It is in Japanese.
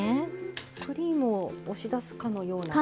クリームを押し出すかのような。